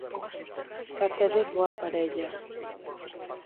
Facedes boa parella.